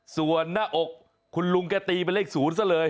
ส่วนหน้าอกคุณลุงแกตีเป็นเลข๐ซะเลย